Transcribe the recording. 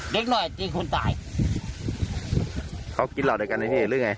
เด็กหน่อยตีคนตายเขากินห่อด้วยกันในนี่หรือไง